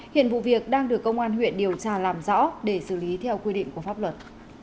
hiện vụ việc đang được công an huyện điều tra làm rõ để xử lý theo quy định của pháp luật